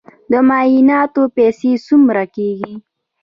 د معایناتو پیسې څومره کیږي؟